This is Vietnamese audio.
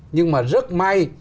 nhưng mà rất may